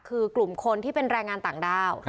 คือกลุ่มคนที่เป็นแรงงานต่างด้าว